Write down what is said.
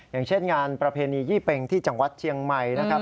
อย่างเช่นงานประเพณียี่เป็งที่จังหวัดเชียงใหม่นะครับ